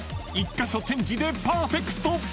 ［１カ所チェンジでパーフェクト］